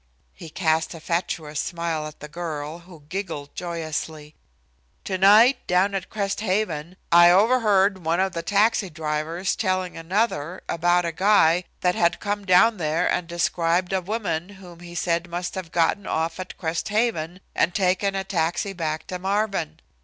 He cast a fatuous smile at the girl, who giggled joyously. "To night, down at Crest Haven, I overheard one of the taxi drivers telling another about a guy that had come down there and described a woman whom he said must have gotten off at Crest Haven and taken a taxi back to Marvin.